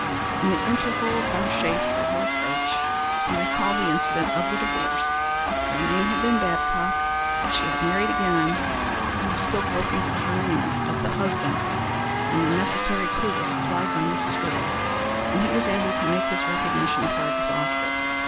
In the interval vouchsafed by her approach he recalled the incident of the divorce, that her name had been Babcock, and that she had married again, but he was still groping for the name of her husband when the necessary clew was supplied by Mrs. Earle, and he was able to make his recognition of her exhaustive.